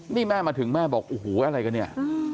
นี่แม่มาถึงแม่บอกโอ้โหอะไรกันเนี่ย